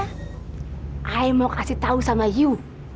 saya mau kasih tahu sama yuk